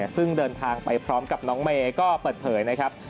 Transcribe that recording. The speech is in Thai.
ซึ่งเดินทางไปพร้อมกับน้องเมย์ก็เปิดเผยนะครับ